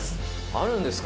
「あるんですか？